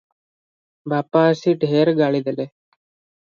ବାପା ଆସି ଢେର ଗାଳିଦେଲା ।"